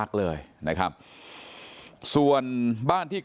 นายพิรายุนั่งอยู่ติดกันแบบนี้นะคะ